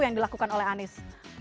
yang dilakukan oleh anies